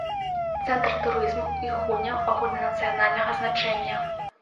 Цэнтр турызму і гульняў агульнанацыянальнага значэння.